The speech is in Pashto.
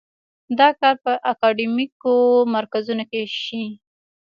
دا کار په اکاډیمیکو مرکزونو کې شي.